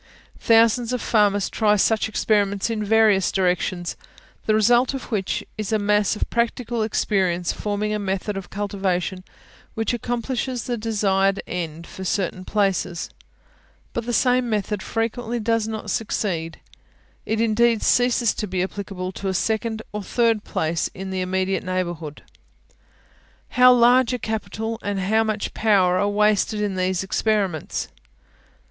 Thousands of farmers try such experiments in various directions, the result of which is a mass of practical experience forming a method of cultivation which accomplishes the desired end for certain places; but the same method frequently does not succeed, it indeed ceases to be applicable to a second or third place in the immediate neighbourhood. How large a capital, and how much power, are wasted in these experiments!